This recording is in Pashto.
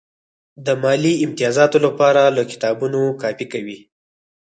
د مالي امتیازاتو لپاره له کتابونو کاپي کوي.